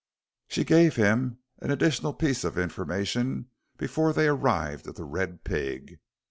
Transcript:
She gave him an additional piece of information before they arrived at "The Red Pig."